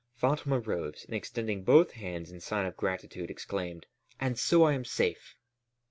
Fatma rose and, extending both hands in sign of gratitude, exclaimed: "And so I am safe."